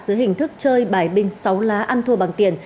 dưới hình thức chơi bài binh sáu lá ăn thua bằng tiền